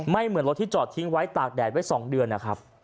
เหมือนรถที่จอดทิ้งไว้ตากแดดไว้๒เดือนนะครับ